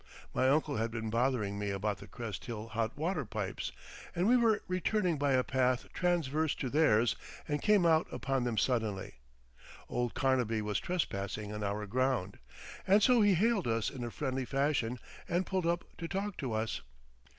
My uncle had been bothering me about the Crest Hill hot water pipes, and we were returning by a path transverse to theirs and came out upon them suddenly. Old Carnaby was trespassing on our ground, and so he hailed us in a friendly fashion and pulled up to talk to us.